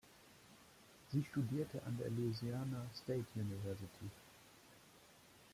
Sie studierte an der Louisiana State University.